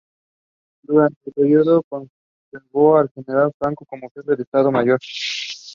The canal is divided between provinces of Prachuap Khiri Khan and Chumphon.